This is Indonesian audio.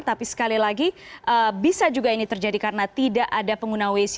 tapi sekali lagi bisa juga ini terjadi karena tidak ada pengguna wc